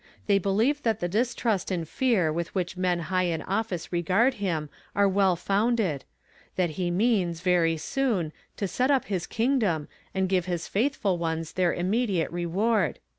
They be lieve that the distrust and fear with which men high in oflfice regard him are well founded; that he means, very soon, to set up his kingdom, and give his faithful ones their immediate reward.